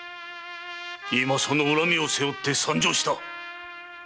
今その怨みを背負って参上した！